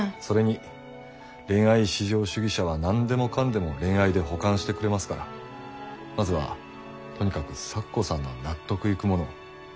それに恋愛至上主義者は何でもかんでも恋愛で補完してくれますからまずはとにかく咲子さんの納得いくものを。